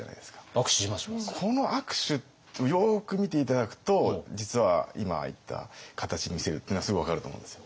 この握手よく見て頂くと実は今言った形に見せるっていうのはすごい分かると思うんですよ。